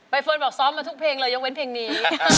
เฟิร์นบอกซ้อมมาทุกเพลงเลยยกเว้นเพลงนี้